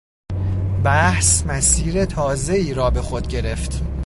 بحث مسیر تازهای را به خود گرفت.